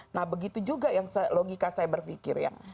nah begitu juga yang logika saya berpikir ya